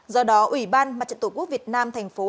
do đó ủy ban mặt trận tổ quốc việt nam tp hà nội cho biết